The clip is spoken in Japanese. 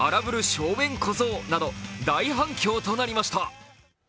小僧など大反響となりました。